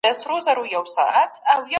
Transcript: پښتو ژبه د ولس ژبه ده.